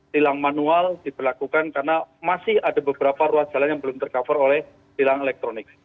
tilang manual diberlakukan karena masih ada beberapa ruas jalan yang belum tercover oleh tilang elektronik